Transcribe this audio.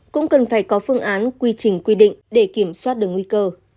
cũng cần phải có phương án quy trình quy định để kiểm soát được nguy cơ